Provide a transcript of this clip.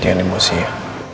jangan emosi ya